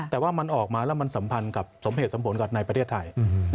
แต่ว่ามันออกมาแล้วมันสัมพันธ์กับสมเหตุสมผลกับในประเทศไทย